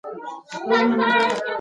ماریا یوه مذهبي او با ایمانه نجلۍ ده.